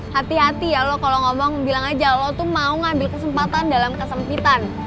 hati hati ya lo kalau ngomong bilang aja lo tuh mau ngambil kesempatan dalam kesempitan